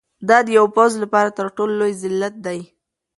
دا د یو پوځ لپاره تر ټولو لوی ذلت دی.